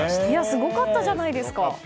すごかったじゃないですか。